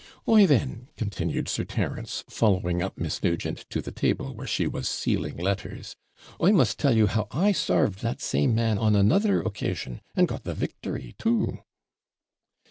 'Why, then,' continued Sir Terence, following up Miss Nugent to the table, where she was sealing letters, 'I must tell you how I sarved that same man on another occasion, and got the victory too.'